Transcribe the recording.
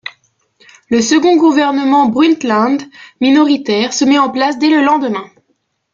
Le second gouvernement Brundtland, minoritaire, se met en place dès le lendemain.